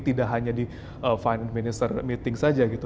tidak hanya di finance minister meeting saja gitu